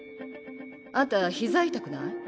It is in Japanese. あんた膝痛くない？